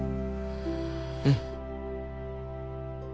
うん。